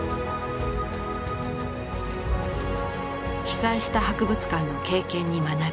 被災した博物館の経験に学び